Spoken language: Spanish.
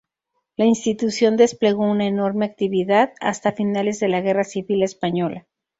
La institución desplegó una enorme actividad hasta finales de la Guerra Civil Española.